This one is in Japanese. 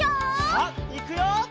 さあいくよ！